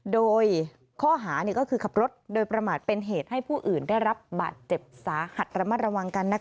โดยข้อหาก็คือขับรถโดยประมาทเป็นเหตุให้ผู้อื่นได้รับบาดเจ็บสาหัสระมัดระวังกัน